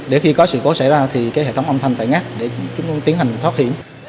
để khi có sự cố xảy ra thì hệ thống âm thanh phải nhắc để chúng ta tiến hành thoát hiểm